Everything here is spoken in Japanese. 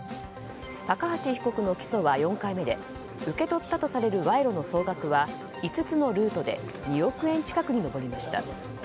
高橋被告の起訴は４回目で受け取ったとされる賄賂の総額は５つのルートで２億円近くに上りました。